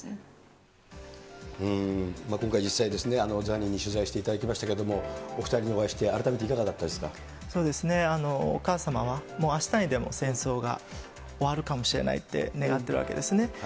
今回、実際、ザニーに取材していただきましたけど、お２人にお会いして、改めていかがだったそうですね、お母様は、もうあしたにでも戦争が終わるかもしれないって願っているわけですね。